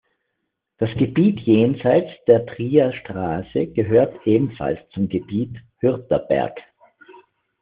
Das Gebiet jenseits der Trierer Straße gehört ebenfalls zum Gebiet "Hürther Berg".